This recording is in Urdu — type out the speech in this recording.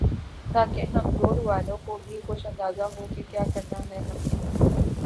تاکہ ہم دور والوں کو بھی کچھ اندازہ ہوکہ کیا کرنا ہے ہم نے